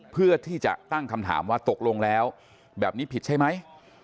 เพื่อที่จะตั้งคำถามว่าตกลงแล้วแบบนี้ผิดใช่ไหม